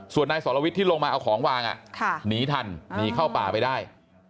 ส่วนนายสรวิทย์ที่ลงมาเอาของวางหนีทันหนีเข้าป่าไปได้